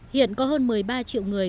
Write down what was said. hiện có hơn một mươi ba triệu người